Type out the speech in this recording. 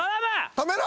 止めろ！